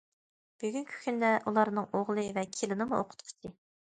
بۈگۈنكى كۈندە ئۇلارنىڭ ئوغلى ۋە كېلىنىمۇ ئوقۇتقۇچى.